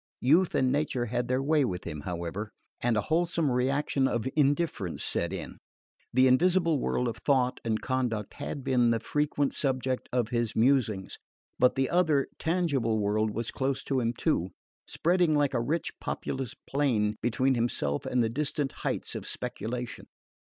Youth and nature had their way with him, however, and a wholesome reaction of indifference set in. The invisible world of thought and conduct had been the frequent subject of his musings; but the other, tangible world was close to him too, spreading like a rich populous plain between himself and the distant heights of speculation.